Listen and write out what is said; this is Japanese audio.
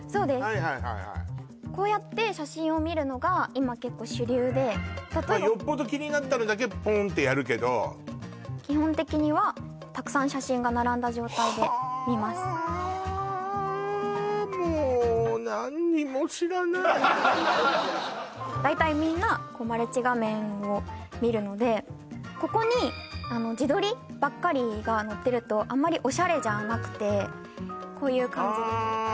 はいはいはいこうやって写真を見るのが今結構主流で例えばまあよっぽど気になったのだけポンってやるけど基本的にはたくさん写真が並んだ状態で見ますはあもう大体みんなマルチ画面を見るのでここに自撮りばっかりが載ってるとあまりオシャレじゃなくてこういう感じでああ